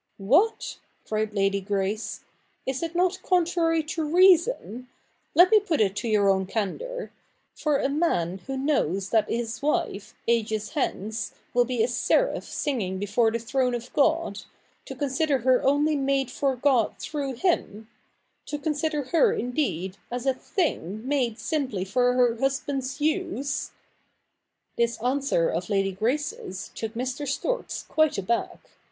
' What !' cried Lady Grace, * is it not contrary to reason — let me put it to your own candour — for a man who knows that his wife, ages hence, will be a seraph singing before the throne of God, to consider her only made for God through him — to consider her, indeed, as a thing made simply for her husband's use ?' This answer of Lady Grace's took Mr. Storks quite aback.